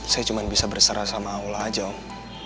saya cuma bisa berserah sama allah aja om